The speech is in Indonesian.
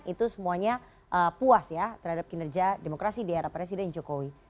itu semuanya puas ya terhadap kinerja demokrasi di era presiden jokowi